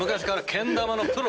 けん玉のプロ。